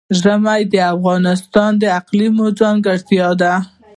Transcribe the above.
ژمی د افغانستان د اقلیم ځانګړتیا ده.